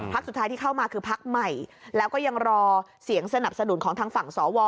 สุดท้ายที่เข้ามาคือพักใหม่แล้วก็ยังรอเสียงสนับสนุนของทางฝั่งสว